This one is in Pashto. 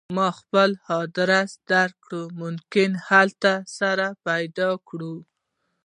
ما خپل ادرس درکړ ممکن هلته سره پیدا کړو